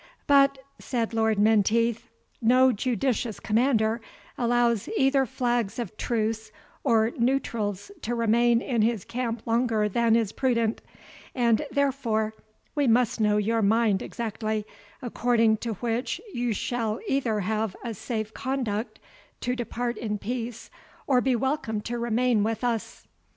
"But," said Lord Menteith, "no judicious commander allows either flags of truce or neutrals to remain in his camp longer than is prudent; and therefore we must know your mind exactly, according to which you shall either have a safe conduct to depart in peace, or be welcome to remain with us."